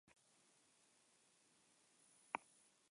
Gainontzeko galestar poni motekin batera, arraza multzo hau osatzen du.